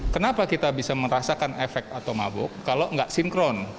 kenapa kita bisa merasakan efek atau mabuk kalau nggak sinkron